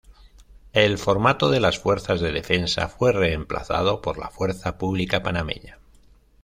El formato de las Fuerzas de Defensa fue reemplazado por la fuerza pública panameña.